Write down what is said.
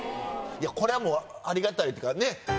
これはありがたいっていうかねぇ。